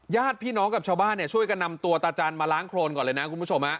ญาติพี่น้องกับชาวบ้านช่วยกันนำตัวตาจันมาล้างโครนก่อนเลยนะคุณผู้ชม